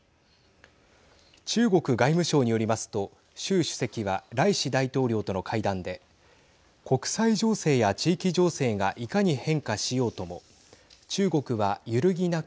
中国外務省によりますと習主席はライシ大統領との会談で国際情勢や地域情勢がいかに変化しようとも中国は揺るぎなく